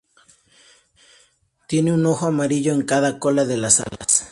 Tiene un "ojo" amarillo en cada cola de las alas.